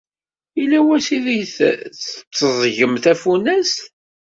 Yella wass ideg d-teẓẓgem tafunast?